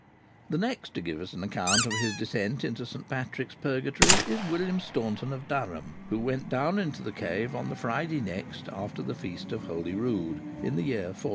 The next to give us an account of his descent into St. Patrick's Purgatory is William Staunton of Durham, who went down into the cave on the Friday next after the feast of Holyrood, in the year 1409.